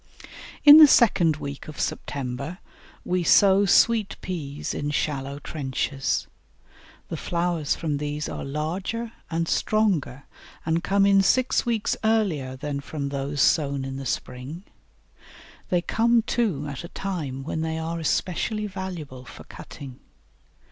In the second week of September we sow Sweet Peas in shallow trenches. The flowers from these are larger and stronger and come in six weeks earlier than from those sown in the spring; they come too at a time when they are especially valuable for cutting.